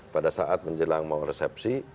pada saat menjelang mau resepsi